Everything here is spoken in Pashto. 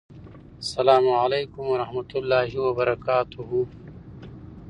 سلام علیکم ورحمته الله وبرکاته